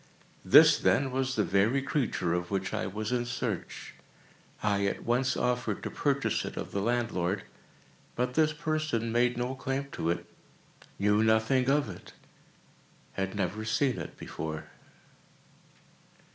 This, then, was the very creature of which I was in search. I at once offered to purchase it of the landlord; but this person made no claim to it—knew nothing of it—had never seen it before.